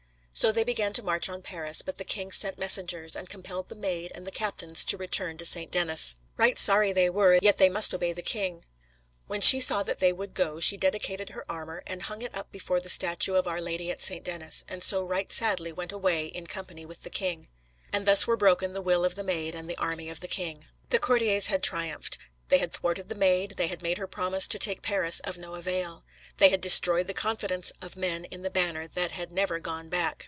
So they began to march on Paris, but the king sent messengers, and compelled the Maid and the captains to return to St. Denis. Right sorry were they, yet they must obey the king. When she saw that they would go, she dedicated her armor, and hung it up before the statue of Our Lady at St. Denis, and so right sadly went away in company with the king. And thus were broken the will of the Maid and the army of the king." The courtiers had triumphed. They had thwarted the Maid, they had made her promise to take Paris of no avail. They had destroyed the confidence of men in the banner that had never gone back.